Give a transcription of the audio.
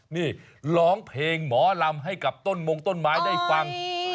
นี่ร้องเพลงหมอลำให้กับต้นมงต้นไม้ได้ฟัง